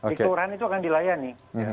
di kelurahan itu akan dilayani